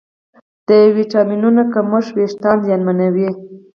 د ویټامینونو کمښت وېښتيان زیانمنوي.